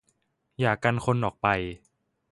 อย่ากันคนออกไป